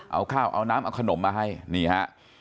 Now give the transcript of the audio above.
เอาน้ำเอาขนมมาให้นี่ฮะ